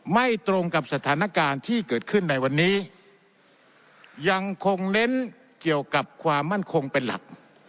ไม่ตรงกับสถานการณ์ที่เกิดขึ้นในวันนี้ยังคงเน้นเกี่ยวกับความมั่นคงเป็นหลัก